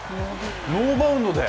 ノーバウンドで。